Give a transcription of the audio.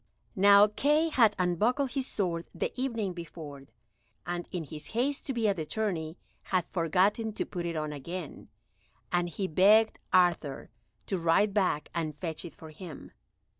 Now Kay had unbuckled his sword the evening before, and in his haste to be at the tourney had forgotten to put it on again, and he begged Arthur to ride back and fetch it for him.